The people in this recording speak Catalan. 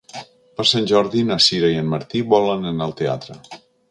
Per Sant Jordi na Sira i en Martí volen anar al teatre.